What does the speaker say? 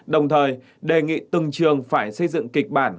đồng thời đề nghị từng trường phải xây dựng kịch bản